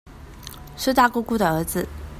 是大姑姑的兒子